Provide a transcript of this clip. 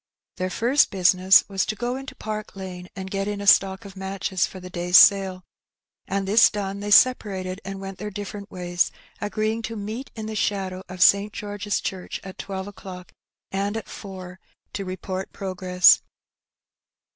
Their first business was to go into Park Lane and get in a stock of matches for the day's sale ; this done, they separated and went their different ways, agreeing to meet in the shadow 30 Her Benny. of St. George's Church at twelve o'clock, and at four to report progress.